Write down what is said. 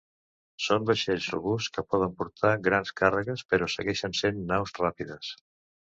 Són vaixells robusts que poden portar grans càrregues, però segueixen sent naus ràpides.